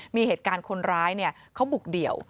มีเหตุการณ์คนร้ายเขาบุกเดี่ยว